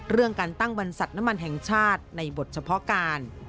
เรื่องการตั้งบรรษัทน้ำมันแห่งชาติในบทเฉพาะการ